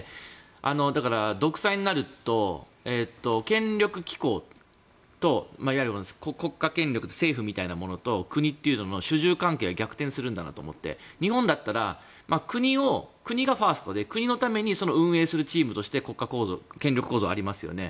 だから、独裁になると権力機構といわゆる国家権力政府みたいなものと国の主従関係が逆転するんだなと思って日本だったら国がファーストで国のために運営するチームとして国家構造、権力構造がありますよね。